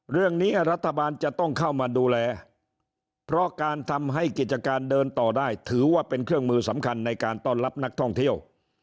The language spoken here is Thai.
รัฐบาลจะต้องเข้ามาดูแลเพราะการทำให้กิจการเดินต่อได้ถือว่าเป็นเครื่องมือสำคัญในการต้อนรับนักท่องเที่ยว